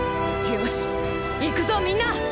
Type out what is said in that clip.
よしいくぞみんな！